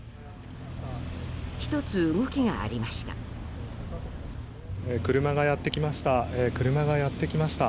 １つ、動きがありました。